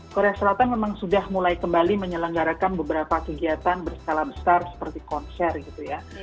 korea selatan memang sudah mulai kembali menyelenggarakan beberapa kegiatan berskala besar seperti konser gitu ya